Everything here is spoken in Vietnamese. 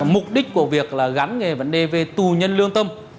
mục đích của việc gắn vấn đề về tù nhân lương tâm